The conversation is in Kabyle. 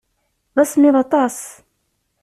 D asemmiḍ aṭas.